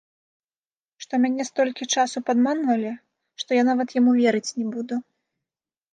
Што мяне столькі часу падманвалі, што я нават яму верыць не буду.